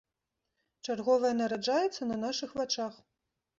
Чарговая нараджаецца на нашых вачах.